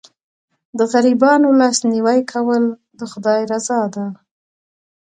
د غریبانو لاسنیوی کول د خدای رضا ده.